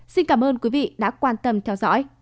xin cảm ơn quý vị đã quan tâm theo dõi